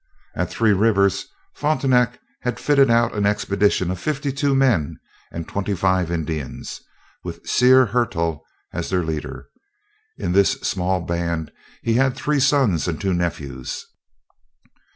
At Three Rivers, Frontenac had fitted out an expedition of fifty two men and twenty five Indians, with Sieur Hertel as their leader. In this small band he had three sons and two nephews.